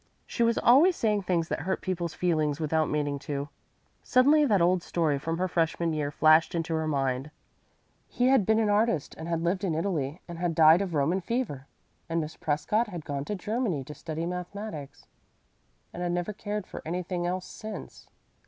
She was always saying things that hurt people's feelings without meaning to. Suddenly that old story from her freshman year flashed into her mind. He had been an artist and had lived in Italy and had died of Roman fever; and Miss Prescott had gone to Germany to study mathematics, and had never cared for anything else since.